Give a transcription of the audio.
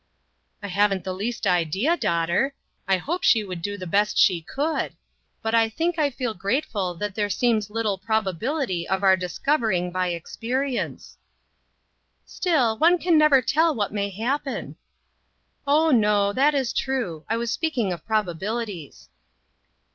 " I haven't the least idea, daughter. I hope she would do the best she could ; but I think I feel grateful that there seems little probability of our discovering by experi ence." " Still, one can never tell what may hap pen." "Oh, no, that is true; I was speaking of probabilities."